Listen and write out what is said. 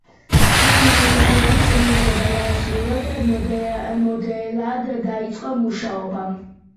მან განათლების მიღება დაასრულა და მოდელად დაიწყო მუშაობა.